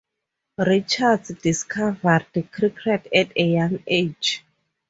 Richards discovered cricket at a young age.